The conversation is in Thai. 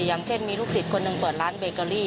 อย่างเช่นมีลูกศิษย์คนหนึ่งเปิดร้านเบเกอรี่